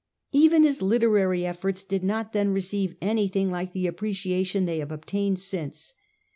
Even his literary efforts did not then receive anything like the appreciation they have obtained since.